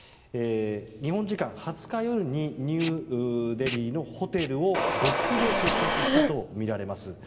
日本時間の２０日夜にニューデリーのホテルを極秘で出発したとみられます。